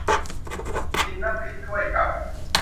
กินน้ำพริกถ้วยเก่า